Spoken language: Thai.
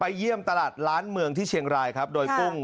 เยี่ยมตลาดล้านเมืองที่เชียงรายครับโดยกุ้ง